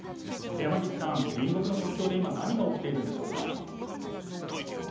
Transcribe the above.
山岸さん、隣国の国境で今、何が起きているんでしょうか。